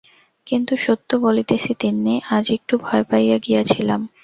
কিন্তু সত্য বলিতেছি তিন্নি, আজ একটু ভয় পাইয়া গিয়াছিলাম।